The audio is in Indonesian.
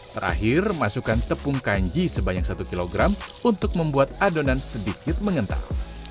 terakhir masukkan tepung kanji sebanyak satu kilogram untuk membuat adonan sedikit mengental